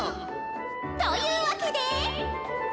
「というわけで」。